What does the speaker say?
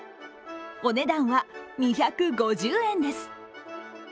お値段は２５０円です。